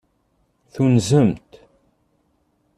Tunzemt.